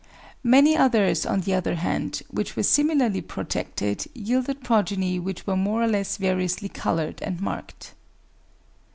Many others, on the other hand, which were similarly protected, yielded progeny which were more or less variously coloured and marked.